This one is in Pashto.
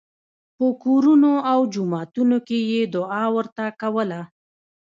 په کورونو او جوماتونو کې یې دعا ورته کوله.